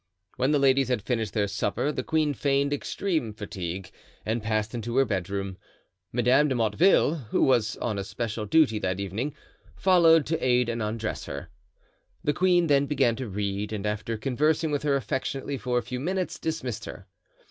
When the ladies had finished their supper the queen feigned extreme fatigue and passed into her bedroom. Madame de Motteville, who was on especial duty that evening, followed to aid and undress her. The queen then began to read, and after conversing with her affectionately for a few minutes, dismissed her.